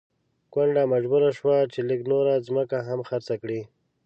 کونډه مجبوره شوه چې لږه نوره ځمکه هم خرڅه کړي.